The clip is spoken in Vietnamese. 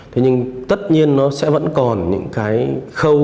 thế nhưng tất nhiên nó sẽ vẫn còn những cái khâu